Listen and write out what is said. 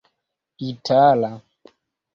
itala